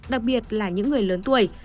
đặc biệt là những người lớn tuổi